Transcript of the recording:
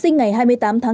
nguyễn đức toàn